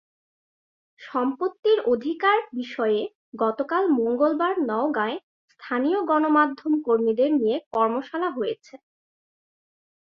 সম্পত্তির অধিকার বিষয়ে গতকাল মঙ্গলবার নওগাঁয় স্থানীয় গণমাধ্যম কর্মীদের নিয়ে কর্মশালা হয়েছে।